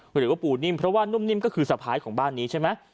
หรือว่าปูนิ่มเพราะว่านุ่มนิ่มก็คือสะพ้ายของบ้านนี้ใช่ไหม